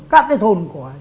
cắt cái thôn của chúng tôi